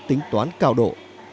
tính toán cao độ